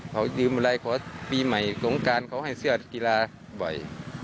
เขายืมอะไรขอปีใหม่สงการเขาให้เสื้อกีฬาบ่อย